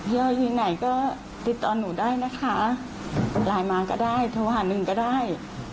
ยอดอยู่ไหนก็ติดต่อหนูได้นะคะกดไลน์มาก็ได้โทรหาหนึ่งก็ได้